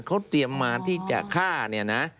เขาเตรียมมาที่จะฆ่าเนี่ยนะ